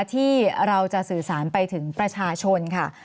ที่เราจะสื่อสารไปถึงประชาชนค่ะ